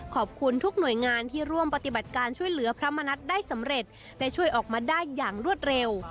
ขอบคุณทุกหน่วยงานที่ร่วมปฏิบัติการช่วยเหลือพระมณัฐได้สำเร็จและช่วยออกมาได้อย่างรวดเร็ว